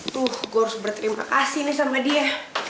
tuh gue harus berterima kasih nih sama dia